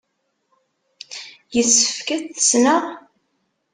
Yessefk ad t-ssneɣ?